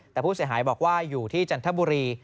แต่ผู้เสียหายบอกว่าอยู่ที่จันทบุรี